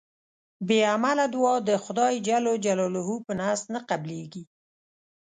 بی عمله دوعا د خدای ج په نزد نه قبلېږي